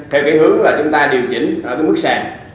theo cái hướng là chúng ta điều chỉnh ở cái mức sàn